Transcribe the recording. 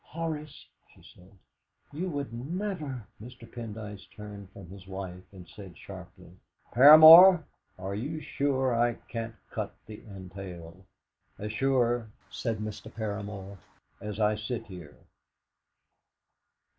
"Horace," she said, "you would never " Mr. Pendyce turned from his wife, and said sharply: "Paramor, are you sure I can't cut the entail?" "As sure," said Mr. Paramor, "as I sit here!"